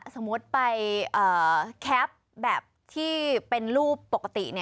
สมมุติไปแคปแบบที่เป็นรูปปกติ